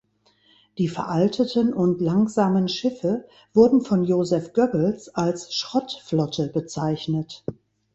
Die veralteten und langsamen Schiffe wurden von Joseph Goebbels als "Schrott-Flotte" bezeichnet.